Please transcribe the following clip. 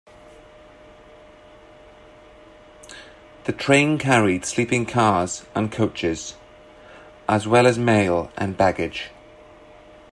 The train carried sleeping cars and coaches, as well as mail and baggage.